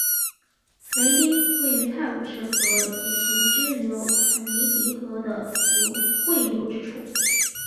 雷丁位于泰晤士河与其支流肯尼迪河的汇流之处。